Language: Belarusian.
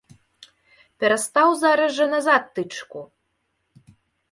Перастаў зараз жа назад тычку!